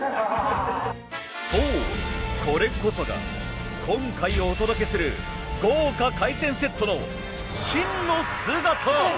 そうこれこそが今回お届けする豪華海鮮セットの真の姿。